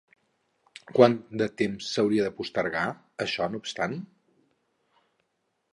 Quant de temps s'hauria de postergar, això no obstant?